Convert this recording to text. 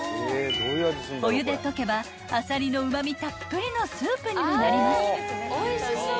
［お湯で溶けばアサリのうま味たっぷりのスープにもなります］